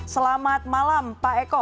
selamat malam pak eko